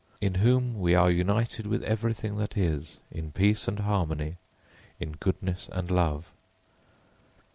], in whom we are united with everything, that is, in peace and harmony, in goodness and love.